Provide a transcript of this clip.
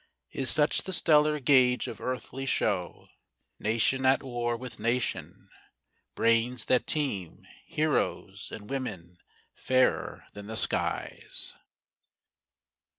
Is such the stellar gauge of earthly show, Nation at war with nation, brains that teem, Heroes, and women fairer than the skies?